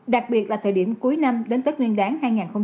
đặc biệt là thời điểm cuối năm đến tết nguyên đáng hai nghìn hai mươi bốn